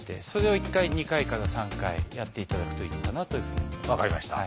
それを１回２回から３回やっていただくといいのかなというふうに思います。